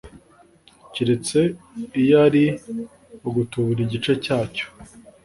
keretse iyo ari ugutubura igice cyacyo